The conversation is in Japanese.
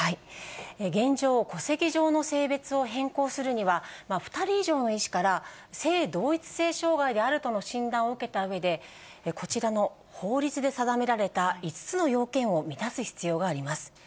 現状、戸籍上の性別を変更するには、２人以上の医師から性同一性障害であるとの診断を受けたうえで、こちらの法律で定められた５つの要件を満たす必要があります。